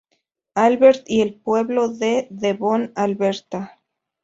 Albert y el pueblo de Devon, Alberta.